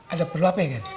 ada perlu apa ya kan